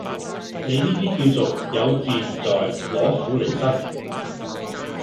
你呢啲叫做「有自唔在，攞苦嚟辛」